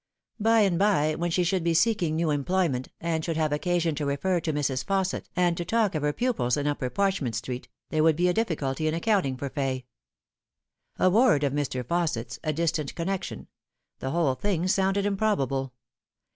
By and by, when she should be seeking new employment, and should have occasion to refer to Mrs. Fausset, *ud to talk of her pupils in Upper Parchment Street, there would be a difficulty in accounting for Fay. A ward of Mr. Fausset's, a distant connection : the whole thing sounded improbable.